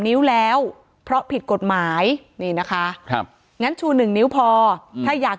นิ้วแล้วเพราะผิดกฎหมายนี่นะคะครับงั้นชูหนึ่งนิ้วพอถ้าอยาก